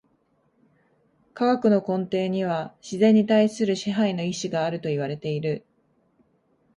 科学の根底には自然に対する支配の意志があるといわれている。